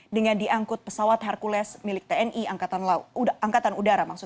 dengan diangkut pesawat hercules milik tni angkatan udara